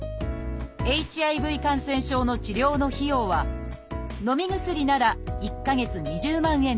ＨＩＶ感染症の治療の費用はのみ薬なら１か月２０万円程度。